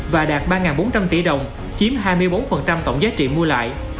và đạt ba bốn trăm linh tỷ đồng chiếm hai mươi bốn tổng giá trị mua lại